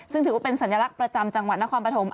ซึ่งถือว่าเป็นสัญลักษณ์ประจำจังหวัดนครปฐม